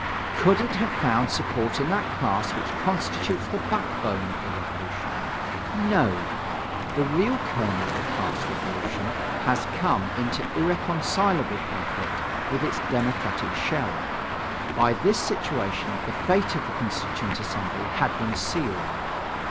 Could it have found support in that class which constitutes the backbone of the Revolution? No. The real kernel of the class revolution has come into irreconcilable conflict with its democratic shell. By this situation the fate of the Constituent Assembly had been sealed.